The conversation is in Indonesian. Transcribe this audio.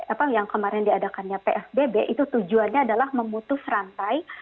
apa yang kemarin diadakannya psbb itu tujuannya adalah memutus rantai